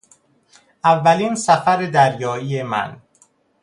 اولین سفر دریایی من